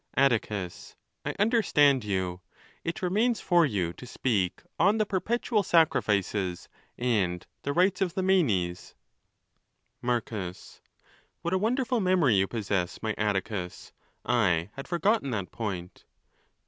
re Atticus.—I understand you ; it remains for you to speak on the perpetual sacrifices and the rights of the Manes. Marcus.—What a wonderful memory you possess, my Atticus! I had forgotten that. point. DE NAT, ETC, GG A50 ON THE LAWS.